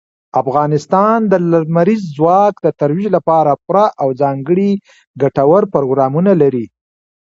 افغانستان د لمریز ځواک د ترویج لپاره پوره او ځانګړي ګټور پروګرامونه لري.